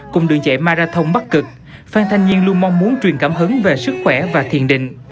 cùng đường chạy marathon bắc cực phan thanh nhiên luôn mong muốn truyền cảm hứng về sức khỏe và thiền định